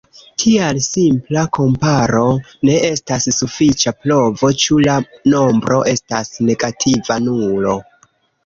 Tial simpla komparo ne estas sufiĉa provo, ĉu la nombro estas negativa nulo.